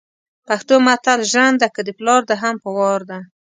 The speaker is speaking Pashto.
پښتو متل ژرنده که دپلار ده هم په وار ده